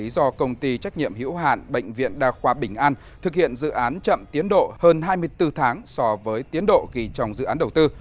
do công ty trách nhiệm hiểu hạn bệnh viện đà khoa bình an thực hiện dự án chậm tiến độ hơn hai mươi bốn tháng so với tiến độ ghi trong dự án đầu tư